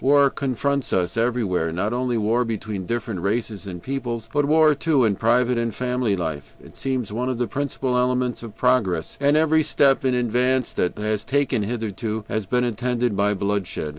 War confronts us everywhere, not only war between different races and peoples, but war too, in private and family life. It seems one of the principal elements of progress, and every step in advance that humanity has taken hitherto has been attended by bloodshed.